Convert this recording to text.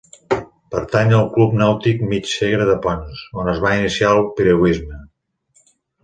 Pertany al Club Nàutic mig Segre de Ponts, on es va iniciar al piragüisme.